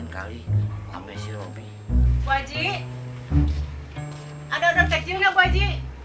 bu haji ada ada tekstilnya bu haji